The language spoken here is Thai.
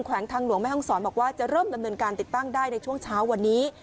วงทางหลวงแม่ห้องศรบอกว่าจะเริ่มดำเนินการติดตั้งได้ในช่วงเช้าวันนี้